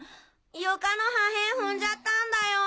床の破片踏んじゃったんだよ。